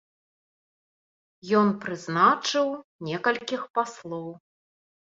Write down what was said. Ён прызначыў некалькіх паслоў.